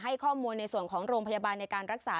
ข้อมูลในส่วนของโรงพยาบาลในการรักษา